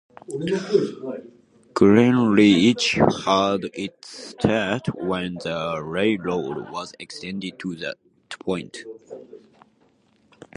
Greenridge had its start when the railroad was extended to that point.